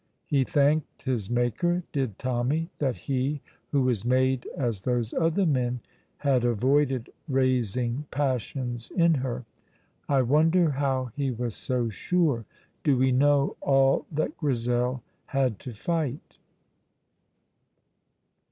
He thanked his Maker, did Tommy, that he, who was made as those other men, had avoided raising passions in her. I wonder how he was so sure. Do we know all that Grizel had to fight?